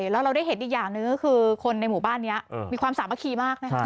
แล้วเราได้เห็นอีกอย่างหนึ่งก็คือคนในหมู่บ้านนี้มีความสามัคคีมากนะคะ